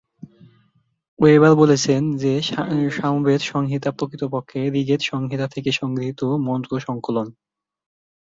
Weber বলেছেন, যে সামবেদ সংহিতা প্রকৃতপক্ষে ঋগ্বেদ সংহিতা থেকে গৃহীত মন্ত্র-সংকলন।